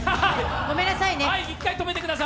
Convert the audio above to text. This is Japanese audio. ごめんなさいね。